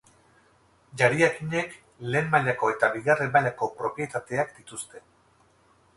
Jariakinek lehen mailako eta bigarren mailako propietateak dituzte.